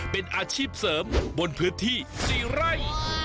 เป็นอาชีพเสริมบนพื้นที่๔ไร่